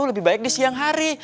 lebih baik di siang hari